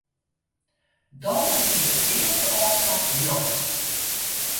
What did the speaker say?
Dan is it de earste ôfslach rjochts.